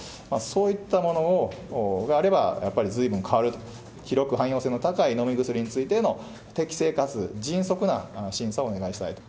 そういったものがあれば、やっぱりずいぶん変わると、広く汎用性の高い飲み薬についての、適正かつ迅速な審査をお願いしたいと。